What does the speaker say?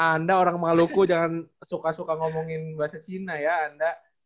anda orang maluku jangan suka suka ngomongin bahasa cina ya